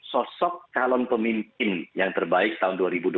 sosok calon pemimpin yang terbaik tahun dua ribu dua puluh empat